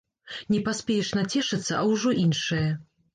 Не паспееш нацешыцца, а ўжо іншае.